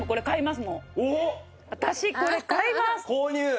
購入！